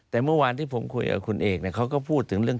แต่เมื่อวานที่ผมคุยกับคุณเอกเขาก็พูดถึงเรื่อง